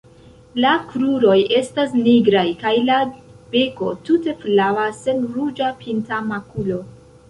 La kruroj estas nigraj kaj la beko tute flava sen ruĝa pinta makulo.